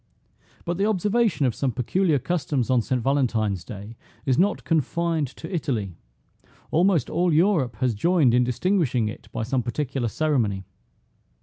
But the observation of some peculiar customs on St. Valentine's day is not confined to Italy; almost all Europe has joined in distinguishing it by some particular ceremony.